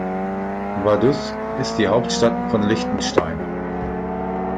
Vaduz ist die Hauptstadt von Liechtenstein.